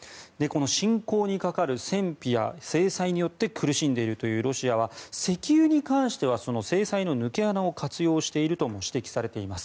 侵攻にかかる戦費や制裁によって苦しんでいるというロシアは石油に関してはその制裁の抜け穴を活用しているとも指摘されています。